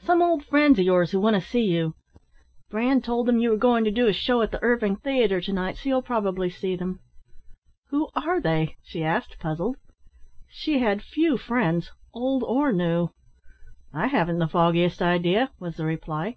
Some old friends of yours who want to see you. Brand told them you were going to do a show at the Erving Theatre to night, so you'll probably see them." "Who are they?" she asked, puzzled. She had few friends, old or new. "I haven't the foggiest idea," was the reply.